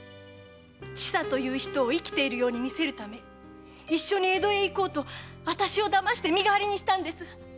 千佐という人を生きているように見せるため一緒に江戸へ行こうと私を騙して身代わりにしたんです。